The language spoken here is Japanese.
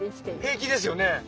平気ですよね。